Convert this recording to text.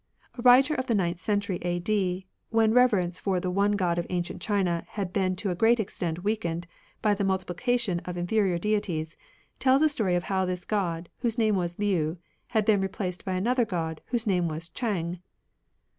A writer of the ninth century A.D., when reverence for the one God of ancient China had been to a great extent weakened by the multipKcation of inferior deities, tells a story how this God, whose name was Liu, had been displaced by another God whose name was Chang.